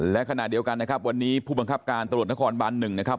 และขณะเดียวกันนะครับวันนี้ผู้บังคับการตำรวจนครบาน๑นะครับ